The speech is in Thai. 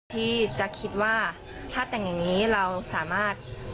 ที่จะคิดว่าถ้าแต่งอย่างนี้เราสามารถ